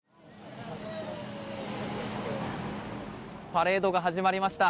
パレードが始まりました。